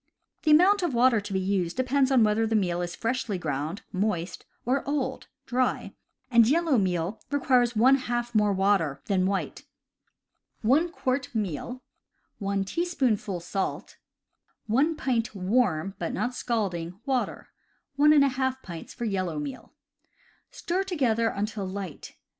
The amount of water to be used depends upon whether the meal is freshly ground (moist) or old (dry), and yellow meal requires one half more water than white. CAMP COOKERY 125 1 quart meal, 1 teaspoonful salt, 1 pint warm (but not scalding) water (1^ pints for yellow meal). Stir together until light.